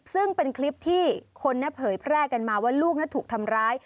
ซึ่งเป็นคลิปที่คนเผยแพร่กันมาว่าลูกถูกทำร้าย